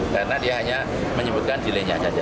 karena dia hanya menyebutkan delay nya saja